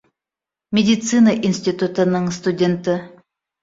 Медицина институтының студенты